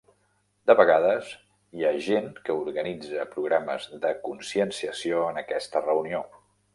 De vegades hi ha gent que organitza programes de conscienciació en aquesta reunió.